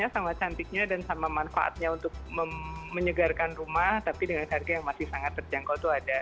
sama cantiknya dan sama manfaatnya untuk menyegarkan rumah tapi dengan harga yang masih sangat terjangkau itu ada